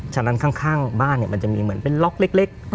ฉะนั้นข้างบ้านมันจะมีเหมือนเป็นล็อกเล็ก